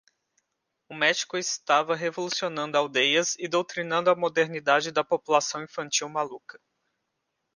O México estava revolucionando aldeias e doutrinando a modernidade da população infantil maluca.